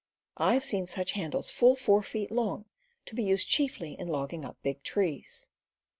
I have seen such handles full four feet long, to be used chiefly in logging up big trees.